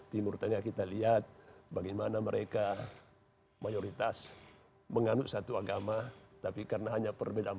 timur tengah kita lihat bagaimana mereka mayoritas menganut satu agama tapi karena hanya perbedaan